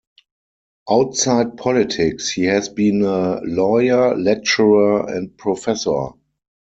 Outside politics he has been a lawyer, lecturer and professor.